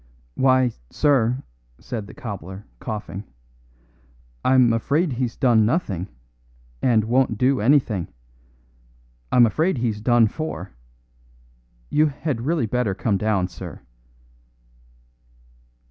"Why, sir," said the cobbler, coughing, "I'm afraid he's done nothing, and won't do anything. I'm afraid he's done for. You had really better come down, sir."